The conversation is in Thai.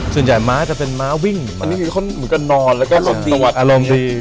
ส่วนใหญ่ม้าจะเป็นม้าวิ่งอันนี้คือคนเหมือนกับนอนแล้วก็อารมณ์ดี